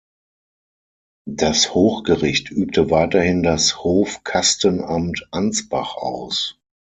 Das Hochgericht übte weiterhin das Hofkastenamt Ansbach aus.